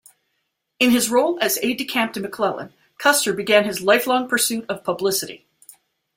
In his role as aide-de-camp to McClellan, Custer began his life-long pursuit of publicity.